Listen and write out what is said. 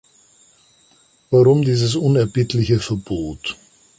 Warum dieses unerbittliche Verbot?